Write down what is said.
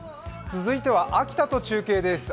続いては秋田と中継です。